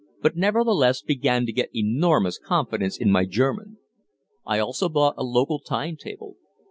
but nevertheless began to get enormous confidence in my German. I also bought a local time table.